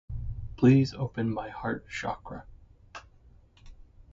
Please open my heart chakra.